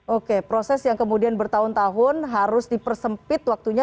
oke proses yang kemudian bertahun tahun harus dipersempit waktunya